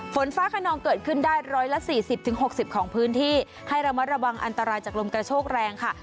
ฝนฟ้าขนองเกิดขึ้นได้๑๔๐๖๐ของพื้นที่ให้ระมัดระวังอันตรายจากลมกระโชกแรงค่ะ